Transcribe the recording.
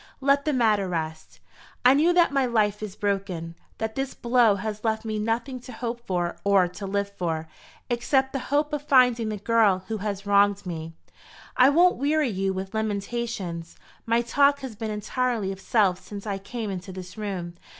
Let the matter rest. I knew that my life is broken that this blow has left me nothing to hope for or to live for, except the hope of finding the girl who has wronged me. I won't weary you with lamentations. My talk has been entirely of self since I came into this room.